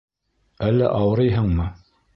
Әллә ауырыйһыңмы?